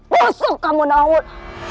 pusuk kamu nauwul